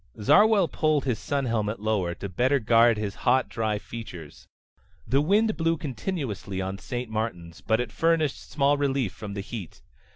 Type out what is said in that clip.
Zarwell pulled his sun helmet lower, to better guard his hot, dry features. The wind blew continuously on St. Martin's, but it furnished small relief from the heat.